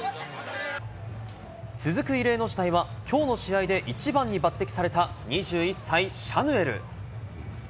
続く異例の事態は、きょうの試合で１番に抜てきされた２１歳、シャヌエル。